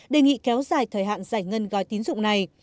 đề nghị kéo dài thời hạn giải ngân gói tín dụng này